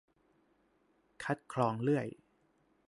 คัดคลองเลื่อย